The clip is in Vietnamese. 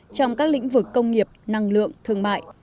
trong các lĩnh vực công nghiệp năng lượng thương mại